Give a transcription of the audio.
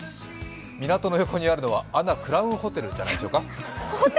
港の横にあるのは、ＡＮＡクラウンホテルじゃないでしょうか？